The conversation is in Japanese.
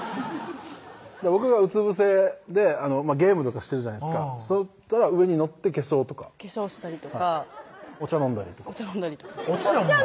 僕がうつ伏せでゲームとかしてるじゃないですかそしたら上に乗って化粧とか化粧したりとかお茶飲んだりとかお茶飲んだりとかお茶飲むの？